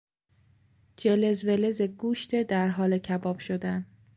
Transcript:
جلز ولز گوشت در حال کباب شدن